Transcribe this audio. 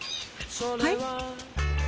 はい？